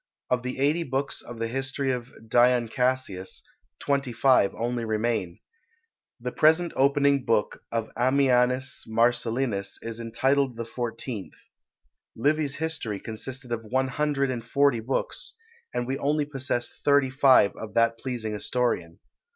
Of the eighty books of the history of Dion Cassius, twenty five only remain. The present opening book of Ammianus Marcellinus is entitled the fourteenth. Livy's history consisted of one hundred and forty books, and we only possess thirty five of that pleasing historian.